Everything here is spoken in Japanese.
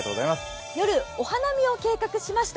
夜、お花見を計画しました。